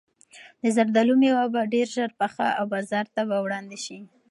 د زردالو مېوه به ډېر ژر پخه او بازار ته به وړاندې شي.